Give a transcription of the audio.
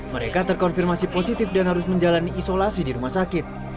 mereka terkonfirmasi positif dan harus menjalani isolasi di rumah sakit